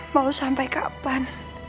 mau sampai kapan